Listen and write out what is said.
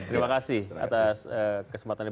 terima kasih atas kesempatannya